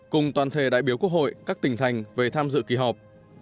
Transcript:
cùng toàn thể đại biểu quốc hội các tỉnh thành về tham dự kỳ họp